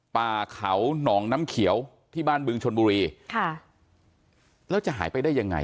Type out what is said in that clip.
ป่าเขาหนองน้ำเขียวที่บ้านบึงชนบุรีค่ะแล้วจะหายไปได้ยังไง